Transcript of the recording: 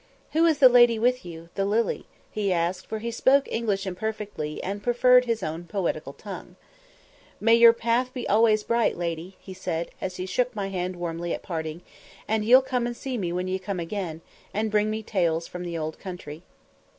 Who is the lady with you the lily?" he asked, for he spoke English imperfectly, and preferred his own poetical tongue. "May your path be always bright, lady!" he said, as he shook my hand warmly at parting; "and ye'll come and see me when ye come again, and bring me tales from the old country."